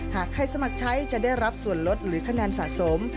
หากใครสมัครใช้จะได้รับส่วนลดหรือคะแนนสะสม